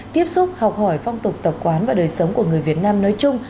tiếp xúc học hỏi phong tục tập quán và đời sống của người việt nam nói chung